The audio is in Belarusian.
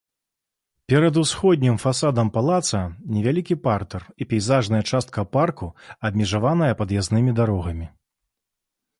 Перад усходнім фасадам палаца невялікі партэр і пейзажная частка парку, абмежаваная пад'язнымі дарогамі.